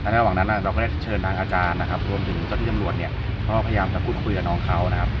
แล้วหวังนั้นเราก็ได้เชิญทางอาจารย์รวมถึงเจ้าที่จำรวจพยายามจะคุดคุยกับน้องเขา